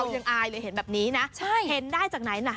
เธอเห็นแบบนี้นะเห็นได้จากไหนนะ